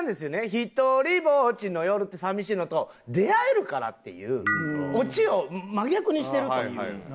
「一人ぽっちの夜」って寂しいのと「出会えるから」っていうオチを真逆にしてると。